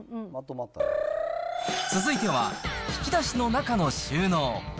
続いては、引き出しの中の収納。